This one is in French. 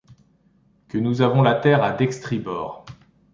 Que nous avons la terre à dextribord.